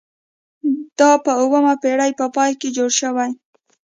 دا په اوومې پیړۍ په پای کې جوړ شوي.